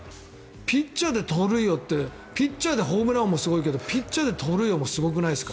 ピッチャーで盗塁王ってピッチャーでホームラン王もすごいけどピッチャーで盗塁王もすごくないですか？